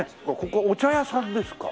ここお茶屋さんですか？